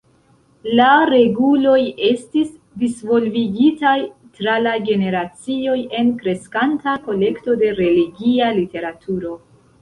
La reguloj estis disvolvigitaj tra la generacioj en kreskanta kolekto de religia literaturo.